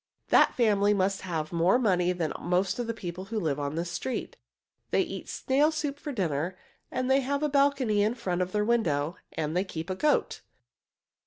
That family must have more money than most of the people who live on this street. They eat snail soup for dinner, they have a balcony in front of their window, and they keep a goat."